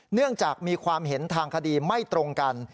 เนื่องจากมีความเห็นทางคดีไม่ตรงกัน